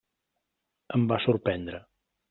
Em va sorprendre.